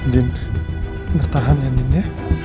din bertahan ya din ya